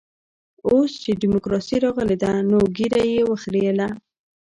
اوس چې ډيموکراسي راغلې ده نو ږيره يې وخرېیله.